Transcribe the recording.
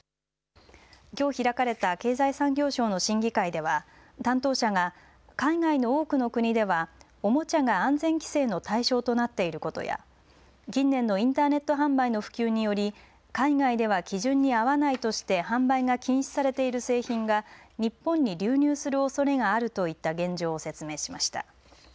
きょう開かれた経済産業省の審議会では担当者が海外の多くの国ではおもちゃが安全規制の対象となっていることや近年のインターネット販売の普及により海外では基準に合わないとして販売が禁止されている製品が日本に流入するおそれがあるといった現状を説明しました。